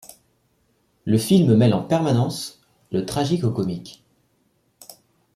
Le film mêle en permanence le tragique au comique.